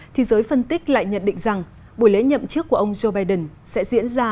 thì giới phân tích lại nhận định rằng buổi lễ nhậm chức của ông joe biden sẽ diễn ra